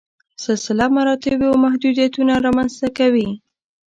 سلسله مراتبو محدودیتونه رامنځته کوي.